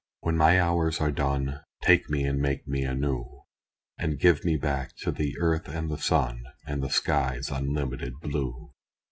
When my hours are done, Take me and make me anew And give me back to the earth and the sun, And the sky's unlimited blue.